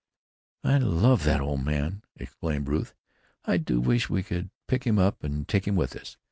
"I love that old man!" exclaimed Ruth. "I do wish we could pick him up and take him with us.